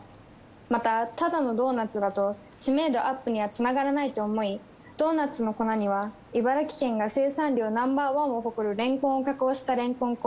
またただのドーナツだと知名度アップにはつながらないと思いドーナツの粉には茨城県が生産量ナンバーワンを誇るれんこんを加工したれんこん粉